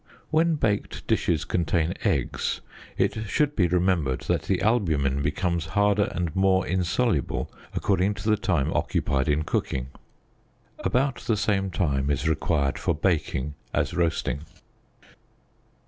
When baked dishes contain eggs, it should be remembered that the albumen becomes harder and more insoluble, according to the_ time occupied in cooking. About the same time is required for baking as roasting.